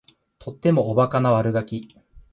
とってもおバカな悪ガキ